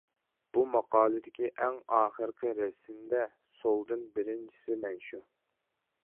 بۇ ماقالىدىكى ئەڭ ئاخىرقى رەسىمدە سولدىن بىرىنچىسى مەن شۇ.